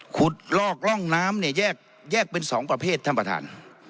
ลอกร่องน้ำเนี่ยแยกเป็น๒ประเภทท่านประธาน